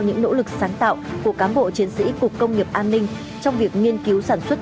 những nỗ lực sáng tạo của cám bộ chiến sĩ cục công nghiệp an ninh trong việc nghiên cứu sản xuất